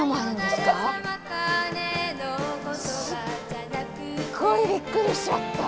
すっごいびっくりしちゃった。